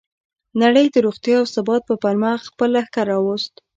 نړۍ د روغتیا او ثبات په پلمه خپل لښکر راوست.